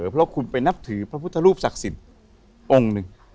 เพราะคุณไปนับถือพระพุทธรูปศักดิ์สิทธิ์องค์หนึ่ง